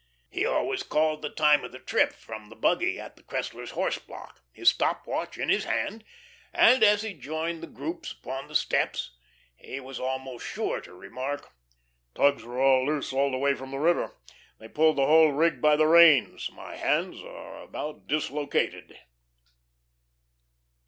He always called the time of the trip from the buggy at the Cresslers' horse block, his stop watch in his hand, and, as he joined the groups upon the steps, he was almost sure to remark: "Tugs were loose all the way from the river. They pulled the whole rig by the reins. My hands are about dislocated."